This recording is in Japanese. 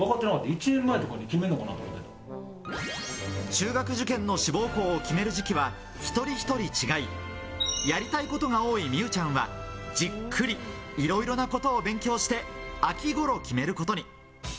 中学受験の志望校を決める時期は一人一人違い、やりたいことが多い美羽ちゃんはじっくりいろいろなことを勉強して秋頃に決めることに。